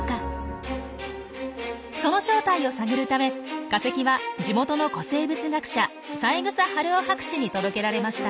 その正体を探るため化石は地元の古生物学者三枝春生博士に届けられました。